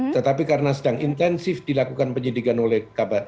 tetapi karena sedang intensif dilakukan penyidikan oleh baradae sendiri